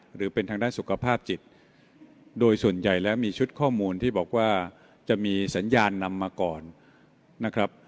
หรือเป็นทางด้านสุขภาพจิตโดยส่วนใหญ่แล้วมีชุดข้อมูลที่บอกว่าจะมีสัญญาณนำมาก่อนนะครับ